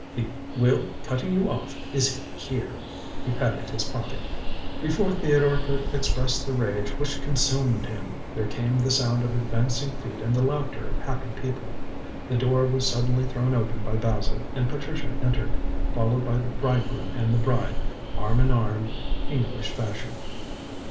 The will cutting you off is here," he patted his pocket. Before Theodore could express the rage which consumed him, there came the sound of advancing feet and the laughter of happy people. The door was suddenly thrown open by Basil, and Patricia entered, followed by the bridegroom and the bride, arm in arm English fashion.